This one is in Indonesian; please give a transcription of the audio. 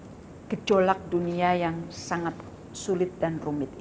untuk menafigasi gejolak dunia yang sangat sulit dan rumit